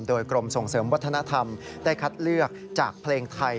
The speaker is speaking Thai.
โดยกรมส่งเสริมวัฒนธรรมได้คัดเลือกจากเพลงไทย